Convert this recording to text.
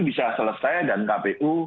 bisa selesai dan kpu